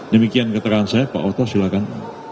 demikian keterangan saya pak otor silahkan